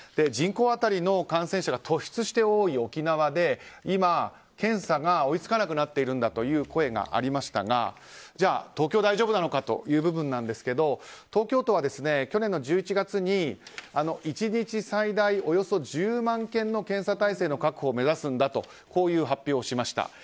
人口当たりの感染者が突出して多い沖縄で今、検査が追い付かなくなっているんだという声がありましたがじゃあ、東京は大丈夫なのかという部分ですが東京都は去年の１１月に１日最大およそ１０万件の検査体制の確保を目指すというこういう発表をしました。